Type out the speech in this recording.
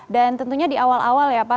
dan tentunya di awal awal ya pak